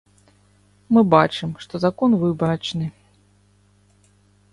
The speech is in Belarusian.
Мы бачым, што закон выбарачны.